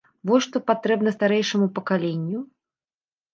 Вось, што патрэбна старэйшаму пакаленню?